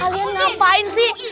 kalian ngapain sih